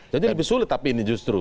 jadi lebih sulit tapi ini justru